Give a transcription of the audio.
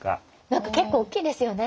何か結構おっきいですよね。